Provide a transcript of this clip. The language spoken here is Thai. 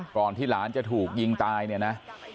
ก่อนที่หลานจะถูกยิงตายเนี่ยนะ